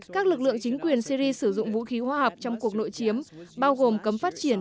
các lực lượng chính quyền syri sử dụng vũ khí hóa học trong cuộc nội chiếm bao gồm cấm phát triển